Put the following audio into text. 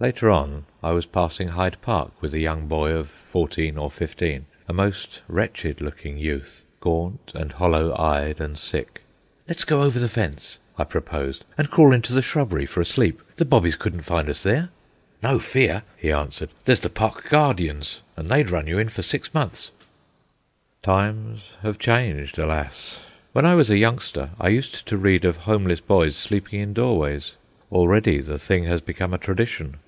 Later on I was passing Hyde Park with a young boy of fourteen or fifteen, a most wretched looking youth, gaunt and hollow eyed and sick. "Let's go over the fence," I proposed, "and crawl into the shrubbery for a sleep. The bobbies couldn't find us there." "No fear," he answered. "There's the park guardians, and they'd run you in for six months." Times have changed, alas! When I was a youngster I used to read of homeless boys sleeping in doorways. Already the thing has become a tradition.